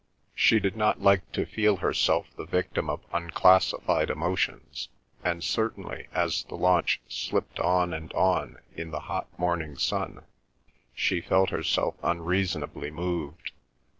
She did not like to feel herself the victim of unclassified emotions, and certainly as the launch slipped on and on, in the hot morning sun, she felt herself unreasonably moved.